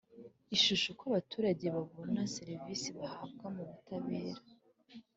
Ishusho Uko abaturage babona serivisi bahabwa mu butabera